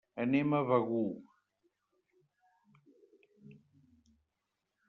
Anem a Begur.